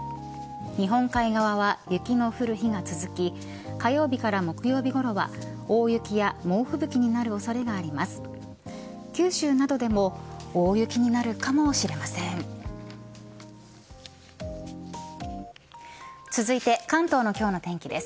日本海側は雪の降る日が続き火曜日から木曜日ごろは大雪や猛吹雪になる恐れがあります。